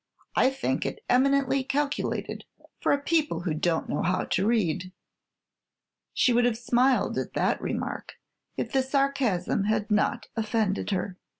"I think it is eminently calculated for a people who don't know how to read." She would have smiled at the remark, if the sarcasm had not offended her.